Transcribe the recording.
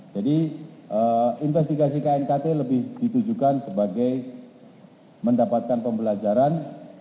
jadi investigasi knkt lebih ditujukan sebagai mendapatkan pembelajaran